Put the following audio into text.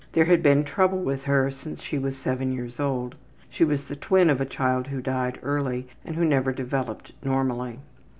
There had been trouble with her since she was 7 years old. She was the twin of a child who died early and who never developed normally.